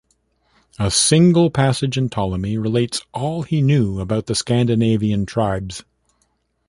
A single passage in Ptolemy relates all he knew about the Scandinavian tribes.